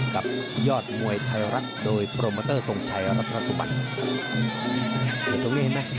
กับยอดมวยไทยรัฐโดยโปรเมอเมอเตอร์ส่งชัยรัฐรสุบัติ